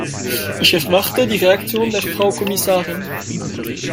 Ich erwarte die Reaktion der Frau Kommissarin.